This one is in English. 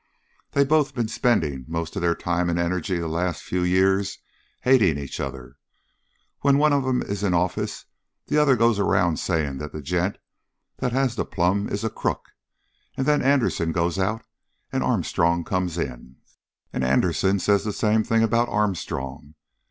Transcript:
They both been spending most of their time and energy the last few years hating each other. When one of 'em is in office the other goes around saying that the gent that has the plum is a crook; and then Anderson goes out, and Armstrong comes in, and Anderson says the same thing about Armstrong.